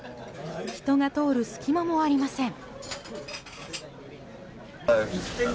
人が通る隙間もありません。